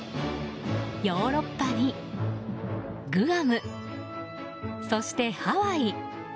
ヨーロッパにグアムそして、ハワイ。